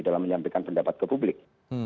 dalam menyampaikan pendapat ke publik